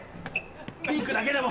ピンクだけでも！